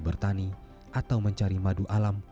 saya bisa tinggal di rumah